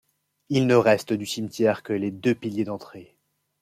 Il ne reste du cimetière que les deux piliers d'entrée.